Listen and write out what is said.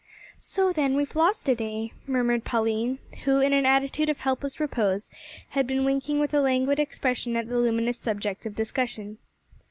"So, then, we've lost a day," murmured Pauline, who in an attitude of helpless repose, had been winking with a languid expression at the luminous subject of discussion.